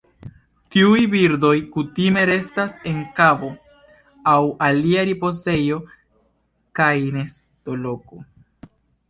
Tiuj birdoj kutime restas en kavo aŭ alia ripozejo kaj nestoloko.